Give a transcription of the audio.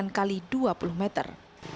joko mencapai sembilan x dua puluh meter